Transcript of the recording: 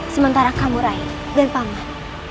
sementara kamu rai dan paman